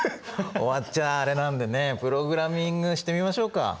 終わっちゃあれなんでねプログラミングしてみましょうか。